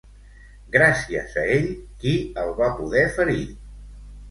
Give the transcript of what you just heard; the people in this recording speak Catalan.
Gràcies a ell, qui el va poder ferir?